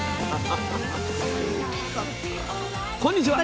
こんにちは。